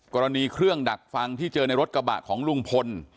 กรณีเครื่องดักฟังที่เจอในรถกระบะของลุงพล